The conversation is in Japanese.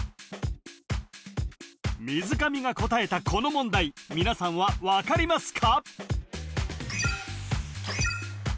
水上が答えたこの問題皆さんは分かりますか？